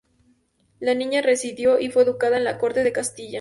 La niña residió y fue educada en la Corte de Castilla.